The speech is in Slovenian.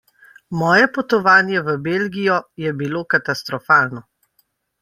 Moje potovanje v Belgijo je bilo katastrofalno.